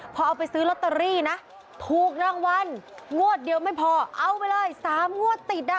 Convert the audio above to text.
พอเอาไปซื้อลอตเตอรี่นะถูกรางวัลงวดเดียวไม่พอเอาไปเลย๓งวดติดอ่ะ